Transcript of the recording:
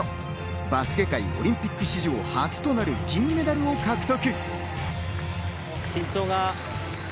バスケ界オリンピック史上初となる銀メダルを獲得。